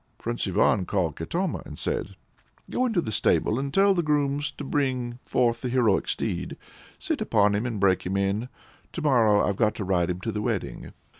Prince Ivan called Katoma, and said "Go into the stable and tell the grooms to bring forth the heroic steed; sit upon him and break him in; to morrow I've got to ride him to the wedding."